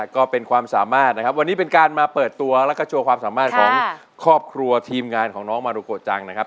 ก็เป็นความสามารถนะครับวันนี้เป็นการมาเปิดตัวแล้วก็โชว์ความสามารถของครอบครัวทีมงานของน้องมารุโกจังนะครับ